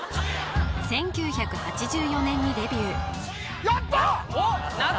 １９８４年にデビュー